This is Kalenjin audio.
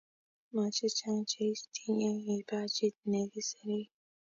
Mo che chang e tinyinekipajiit ne kiserei.